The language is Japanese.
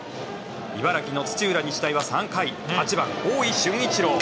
茨城の土浦日大は３回８番、大井駿一郎。